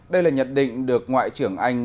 đây là nhận định được ngoại trưởng anh